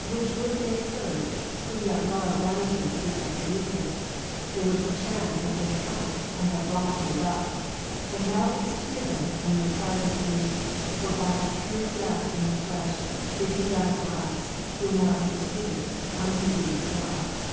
Which would they had heard, who yet love vanity and seek after leasing ! They would perchance have been troubled, and have vomited it up ; and Thou wouldest hear them when they cried unto Thee ; for by a true ° death in the flesh did He Rom. 8, die for us, who now intercedeth unto Thee for iis.